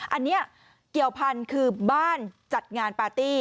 อันนี้เกี่ยวพันธุ์คือบ้านจัดงานปาร์ตี้